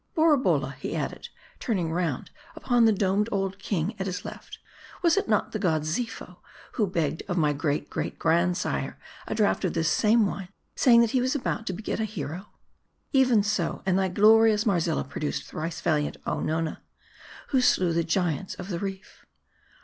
" Borabolla," he added, turning round upon a domed old king at his left, " Was it not the god Xipho, who begged of my great great grandsire a draught of this same wine, saying he was about to beget a hero ?"" Even so. And thy glorious Marzilla produced thrice valiant Ononna, who slew the giants of the reef."